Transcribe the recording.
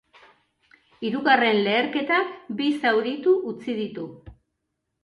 Hirugarren leherketak bi zauritu utzi ditu.